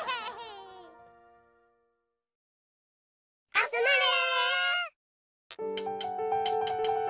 あつまれ。